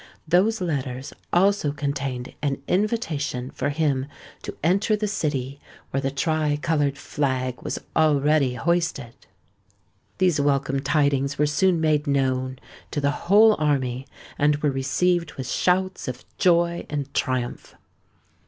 Those letters also contained an invitation for him to enter the city, where the tri coloured flag was already hoisted. These welcome tidings were soon made known to the whole army, and were received with shouts of joy and triumph.